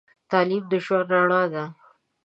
تعليم د ژوند رڼا ده.